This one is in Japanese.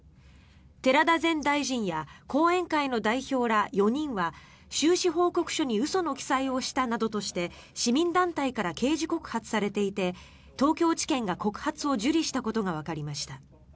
寺田前大臣や後援会の代表ら４人は収支報告書に嘘の記載をしたなどとして市民団体から刑事告発されていて東京地検が告発を受理したことがわかりました。